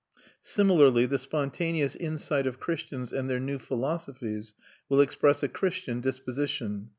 Similarly, the spontaneous insight of Christians and their new philosophies will express a Christian disposition.